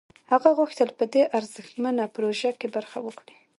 هغه غوښتل په دې ارزښتمنه پروژه کې برخه واخلي